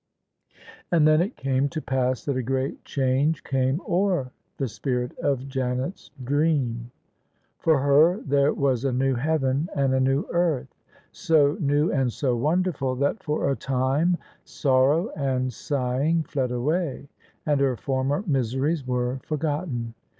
And then it came to pass that a great change came o'er the spirit of Janet's dream. For her there was a new heaven and a new earth, so new and so wonderful that for a time sorrow and sighing fled away, and her former miseries were forgot ten.